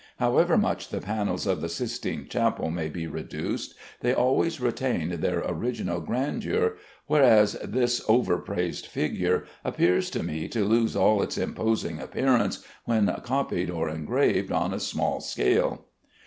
However much the panels of the Sistine Chapel may be reduced, they always retain their original grandeur, whereas this over praised figure appears to me to lose all its imposing appearance when copied or engraved on a small scale.